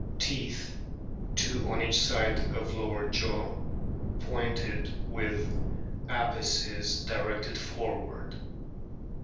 Teeth two on each side of lower jaw, pointed with apices directed forward.